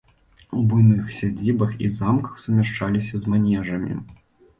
У буйных сядзібах і замках сумяшчаліся з манежамі.